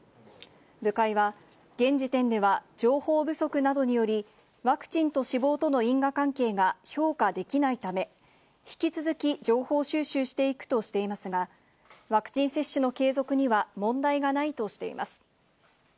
部会は、現時点では情報不足などにより、ワクチンと死亡との因果関係が評価できないため、引き続き情報収集していくとしていますが、ワクチン接種の継続には問題がないとしています。